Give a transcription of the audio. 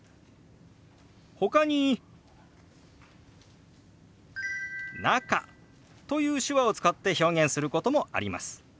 ほかに「中」という手話を使って表現することもあります。